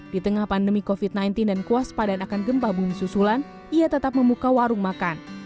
di tengah pandemi covid sembilan belas dan kuas padan akan gempa bumi susulan ia tetap membuka warung makan